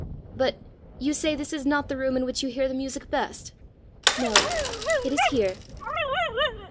But you say this is not the room in which you hear the music best?" "No, it is here."